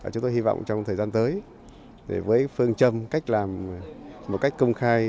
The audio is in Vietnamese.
chúng tôi hy vọng trong thời gian tới với phương châm cách làm một cách công khai